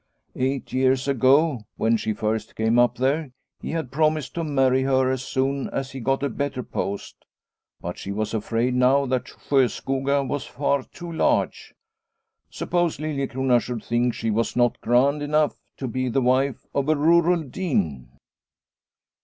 Eight years ago, when she first came up there, he had promised to marry her as soon as he got a better post. But she was afraid now that Sjoskoga was far too large. Suppose Liliecrona should think she was not grand enough to be the wife of a rural dean